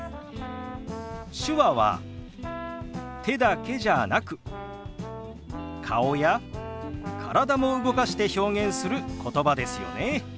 手話は手だけじゃなく顔や体も動かして表現することばですよね。